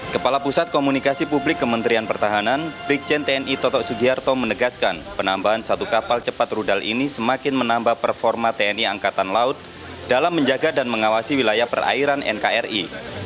kepala pusat komunikasi publik kementerian pertahanan brikjen tni toto sugiarto menegaskan penambahan satu kapal cepat rudal ini semakin menambah performa tni angkatan laut dalam menjaga dan mengawasi wilayah perairan nkri